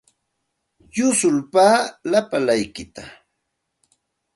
Yusulpaaqi lapalaykitsikta.